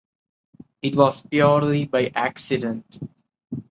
It was purely by accident.